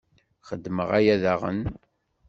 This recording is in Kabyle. Xedmeɣ aya, daɣen.